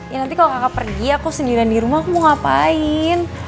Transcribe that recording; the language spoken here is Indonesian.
ya nanti kalau kakak pergi aku sendirian di rumah aku mau ngapain